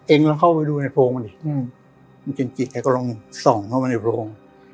เอ็งแล้วเข้าไปดูในโพงมาดิอืมมันจริงจริงใครก็ลองส่องเข้ามาในโพง